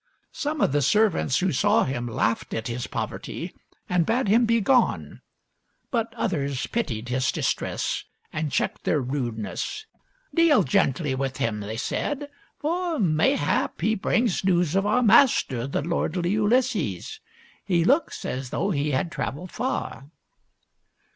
Some of the servants who saw him laughed at his poverty, and bade him begone ; but others pitied his distress and checked their rudeness. " Deal gently with him," they said ;" for mayhap he brings news of our master, the lordly Ulysses. He looks as though he had traveled far."